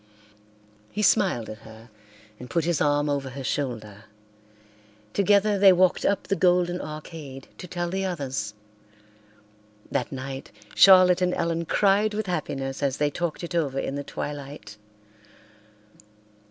He smiled at her and put his arm over her shoulder. Together they walked up the golden arcade to tell the others. That night Charlotte and Ellen cried with happiness as they talked it over in the twilight.